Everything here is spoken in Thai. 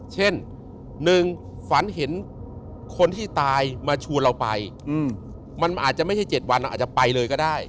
เช่น๑ฝันเห็นคนที่ตายมาชวนเราไปมันอาจจะไม่ใช่๗วันอาจจะไปเลยก็ได้